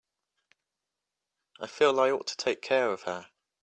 I feel I ought to take care of her.